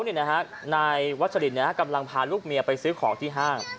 นายวัชลินกำลังพาลูกเมียไปซื้อของที่ห้าง